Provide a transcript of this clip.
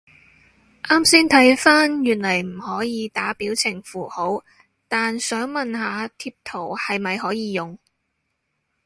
啱先睇返原來唔可以打表情符號，但想問下貼圖係咪可以用？